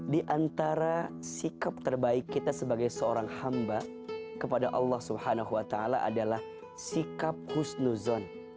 di antara sikap terbaik kita sebagai seorang hamba kepada allah swt adalah sikap husnuzon